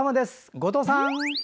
後藤さん！